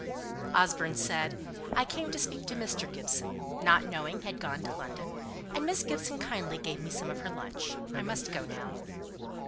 Osborne said, "I came to speak to Mr. Gibson, not knowing he had gone to London, and Miss Gibson kindly gave me some of her lunch. I must go now."